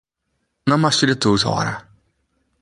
No moatst dy de toet hâlde.